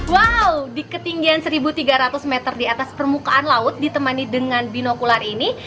wow di ketinggian satu tiga ratus meter di atas permukaan laut ditemani dengan binokular ini